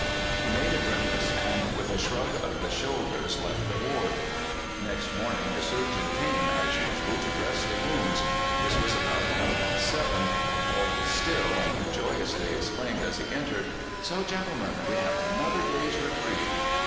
He made a grimace, and with a shrug of the shoulders left the ward. Next morning the surgeon came, as usual, to dress the wounds. This was about half past seven. All was still, and he joyously exclaimed, as he entered: "So, gentlemen, we have another day's reprieve!"